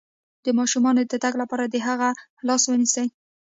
د ماشوم د تګ لپاره د هغه لاس ونیسئ